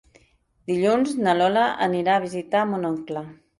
Dilluns na Lola anirà a visitar mon oncle.